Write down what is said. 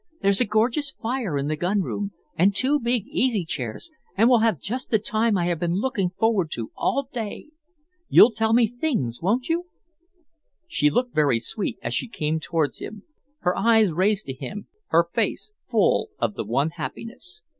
"There's a gorgeous fire in the gun room, and two big easy chairs, and we'll have just the time I have been looking forward to all day. You'll tell me things, won't you?" She looked very sweet as she came towards him, her eyes raised to him, her face full of the one happiness.